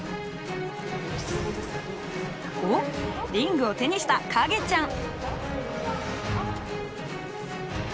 おっリングを手にした影ちゃん。